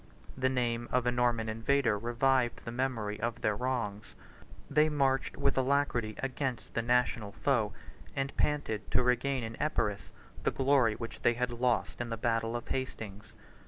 70 The name of a Norman invader revived the memory of their wrongs: they marched with alacrity against the national foe, and panted to regain in Epirus the glory which they had lost in the battle of Hastings.